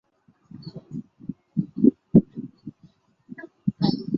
这也是该游戏以及所有即时战略游戏的核心内容。